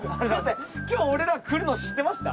今日俺ら来るの知ってました？